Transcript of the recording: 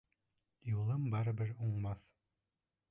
Юлым барыбер уңмаҫ.